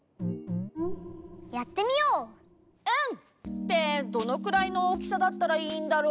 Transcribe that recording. ってどのくらいの大きさだったらいいんだろう？